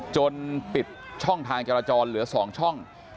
จนปิดช่องทางจราจรเหลือ๒ช่อง